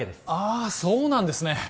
あそうなんですね